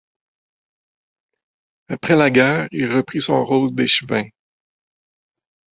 Après la guerre, il reprit son rôle d'échevin.